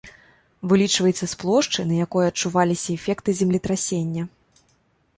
Вылічваецца з плошчы, на якой адчуваліся эфекты землетрасення.